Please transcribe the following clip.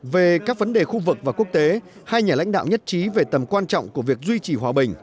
về các vấn đề khu vực và quốc tế hai nhà lãnh đạo nhất trí về tầm quan trọng của việc duy trì hòa bình